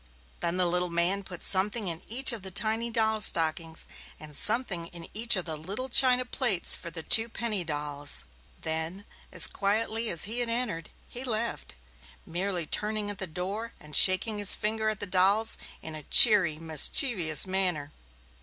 Then the little man put something in each of the tiny doll stockings, and something in each of the little china plates for the two penny dolls. Then, as quietly as he had entered, he left, merely turning at the door and shaking his finger at the dolls in a cheery, mischievous manner.